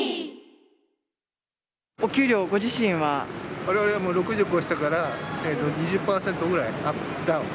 われわれはもう、６０超したから、２０％ぐらいダウン。